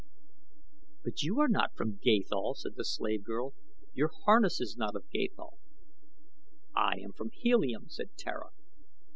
"But you are not from Gathol," said the slave girl; "your harness is not of Gathol." "I am from Helium," said Tara.